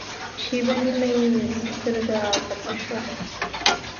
شېبه نیمه یې سترګه پټه شوه.